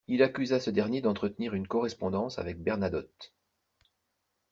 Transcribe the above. Il accusa ce dernier d'entretenir une correspondance avec Bernadotte.